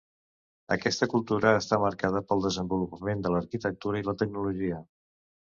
Aquesta cultura està marcada pel desenvolupament de l'arquitectura i la tecnologia.